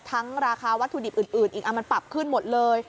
ราคาวัตถุดิบอื่นอีกมันปรับขึ้นหมดเลย